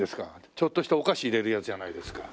ちょっとしたお菓子入れるやつじゃないですか。